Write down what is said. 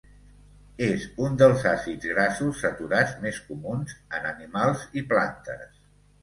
És uns dels àcids grassos saturats més comuns en animals i plantes.